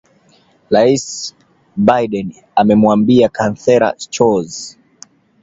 Rais Biden amemuambia Kansela Scholz